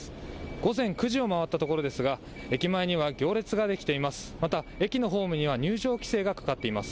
午前９時を回ったところですが駅前には行列ができています。